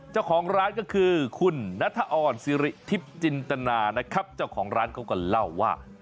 เจ้าของร้านก็คือคุณนัทออนสิริทิพย์จินตนานะครับเจ้าของร้านเขาก็เล่าว่า